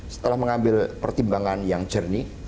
setelah mengambil pertimbangan yang jernih